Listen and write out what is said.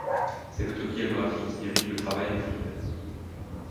C’est l’autobiographie qui dirige le travail de Fried.